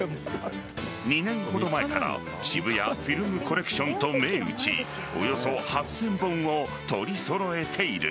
２年ほど前から渋谷フィルムコレクションと銘打ちおよそ８０００本を取り揃えている。